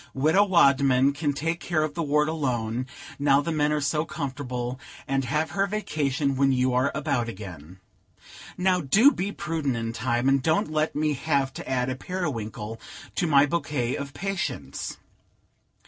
Widow Wadman can take care of the ward alone, now the men are so comfortable, and have her vacation when you are about again. Now do be prudent in time, and don't let me have to add a Periwinkle to my bouquet of patients."